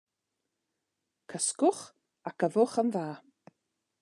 Cysgwch ac yfwch yn dda.